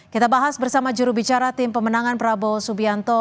kita bahas bersama jurubicara tim pemenangan prabowo subianto